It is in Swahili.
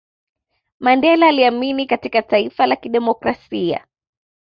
mandela aliamini katika taifa la kidemokrasia